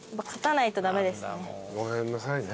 ごめんなさいね。